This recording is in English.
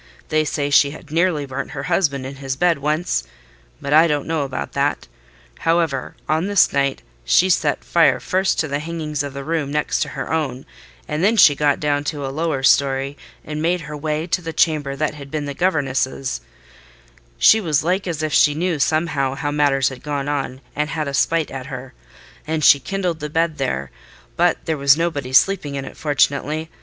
They say she had nearly burnt her husband in his bed once: but I don't know about that. However, on this night, she set fire first to the hangings of the room next her own, and then she got down to a lower storey, and made her way to the chamber that had been the governess's—(she was like as if she knew somehow how matters had gone on, and had a spite at her)—and she kindled the bed there; but there was nobody sleeping in it, fortunately.